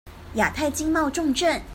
亞太經貿重鎮